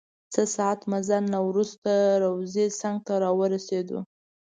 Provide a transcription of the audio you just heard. څه ساعت مزل نه وروسته روضې څنګ ته راورسیدو.